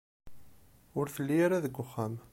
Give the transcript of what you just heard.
Ur telli ara deg uxxam.